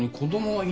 はい。